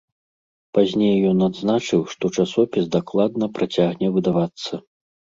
Пазней ён адзначыў, што часопіс дакладна працягне выдавацца.